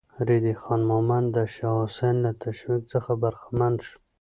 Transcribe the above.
ريدی خان مومند د شاه حسين له تشويق څخه برخمن شو.